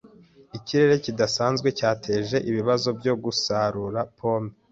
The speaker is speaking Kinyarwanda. Ikirere kidasanzwe cyateje ibibazo byo gusarura pome.